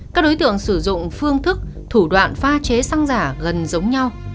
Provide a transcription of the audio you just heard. các đối tượng sử dụng phương thức thủ đoạn pha chế xăng giả gần giống nhau